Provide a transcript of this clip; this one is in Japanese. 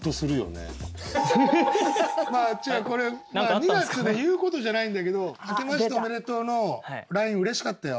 これは２月で言うことじゃないんだけど「明けましておめでとう」のＬＩＮＥうれしかったよ。